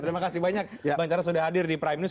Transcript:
terima kasih banyak bang cara sudah hadir di prime news